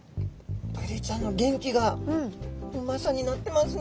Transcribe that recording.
ブリちゃんの元気がうまさになってますね。